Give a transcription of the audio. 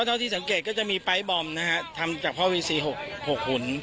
เท่าที่สังเกตก็จะมีไปร์ทบอมนะฮะทำจากพ่อวีซี๖หุ่น